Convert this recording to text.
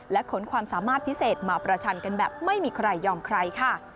ขนความสามารถพิเศษมาประชันกันแบบไม่มีใครยอมใครค่ะ